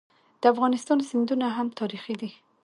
د افغانستان سیندونه هم تاریخي دي.